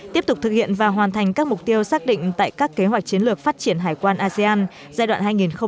tiếp tục thực hiện và hoàn thành các mục tiêu xác định tại các kế hoạch chiến lược phát triển hải quan asean giai đoạn hai nghìn hai mươi hai nghìn hai mươi năm